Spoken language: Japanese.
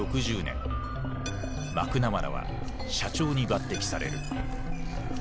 マクナマラは社長に抜てきされる。